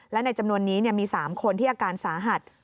และในจำนวนนี้มี๓คนที่อาการสาหัส